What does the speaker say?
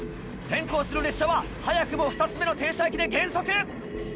先行する列車は早くも２つ目の停車駅で減速。